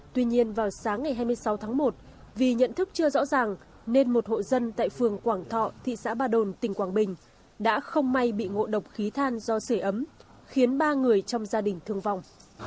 tuy nhiên vào sáng ngày hai mươi sáu tháng một vì nhận thức chưa rõ ràng nên một hộ dân tại phường quảng thọ thị xã ba đồn tỉnh quảng bình đã không may bị ngộ độc khí than do sửa ấm khiến ba người trong gia đình thương vong